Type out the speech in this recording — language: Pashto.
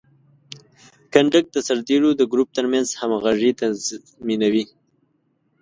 کنډک د سرتیرو د ګروپ ترمنځ همغږي تضمینوي.